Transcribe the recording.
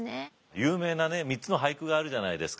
有名なね３つの俳句があるじゃないですか。